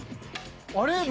あれ？